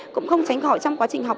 cũng không tránh khỏi trong quá trình học